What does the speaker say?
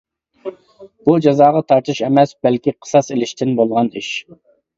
بۇ جازاغا تارتىش ئەمەس، بەلكى قىساس ئېلىشتىن بولغان ئىش.